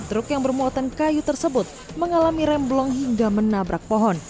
truk yang bermuatan kayu tersebut mengalami remblong hingga menabrak pohon